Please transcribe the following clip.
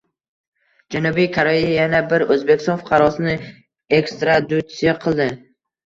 Janubiy Koreya yana bir O‘zbekiston fuqarosini ekstraditsiya qildi